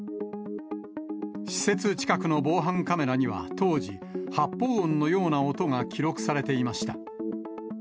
施設近くの防犯カメラには当時、発砲音のような音が記録されていました。